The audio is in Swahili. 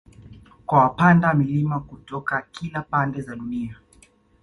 Kwa wapanda milima kutoka kila pande za dunia